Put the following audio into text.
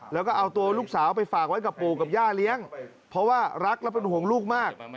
แล้วก็เอาตัวลูกสาวไปฝากไว้กับปู่กับย่าเลี้ยงเพราะว่ารักและเป็นห่วงลูกมาก